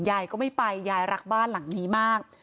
ยายก็ไม่ไปยายรักบ้านหลังนี้มาก